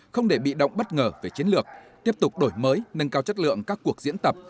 không để bị động bất ngờ về chiến lược tiếp tục đổi mới nâng cao chất lượng các cuộc diễn tập